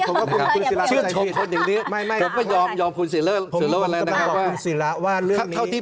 เพราะว่าคุณซีราไม่ได้ง่ายในทางนี้